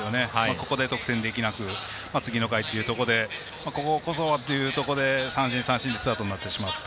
ここで得点できなく次の回というところでこここそはというところで三振、三振でツーアウトになってしまった。